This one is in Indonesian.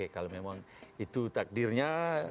kalau memang itu takdirnya